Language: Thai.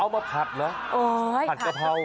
มาผัดเหรอผัดกะเพรา